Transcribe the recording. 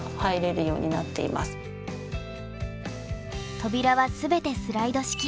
扉は全てスライド式。